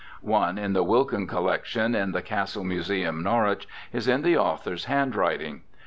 One in the Wilkin collection, in the Castle Museum, Norwich, is in the author's handwriting.